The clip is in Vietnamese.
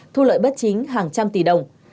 thu lợi bất chính hàng trăm tỷ đồng